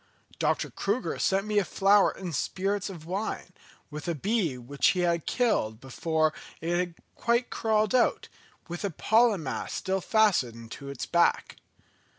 Dr. Crüger sent me a flower in spirits of wine, with a bee which he had killed before it had quite crawled out, with a pollen mass still fastened to its back.